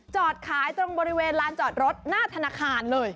จอดขายตรงบริเวณลานจอดรถหน้าธนาคารเลย